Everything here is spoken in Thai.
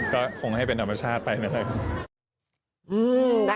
ก็คงให้เป็นธรรมชาติไปนะครับ